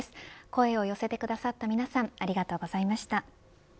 声を寄せてくださった皆さんありがとうございました。